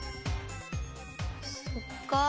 そっか。